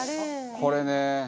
これね。